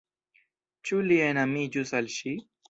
Ĉu li enamiĝus al ŝi?